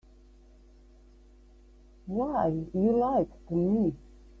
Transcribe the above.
Why, you lied to me.